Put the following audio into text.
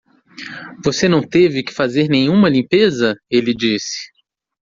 "Você não teve que fazer nenhuma limpeza?" ele disse.